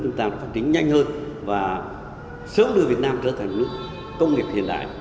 chúng ta phát triển nhanh hơn và sớm đưa việt nam trở thành nước công nghiệp hiện đại